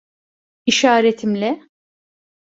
İşaretimle.